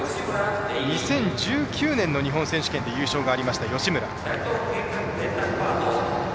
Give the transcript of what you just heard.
２０１９年の日本選手権で優勝がありました吉村。